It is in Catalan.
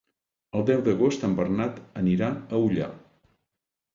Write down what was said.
El deu d'agost en Bernat anirà a Ullà.